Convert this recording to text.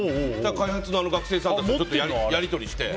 開発の学生さんたちとやり取りして。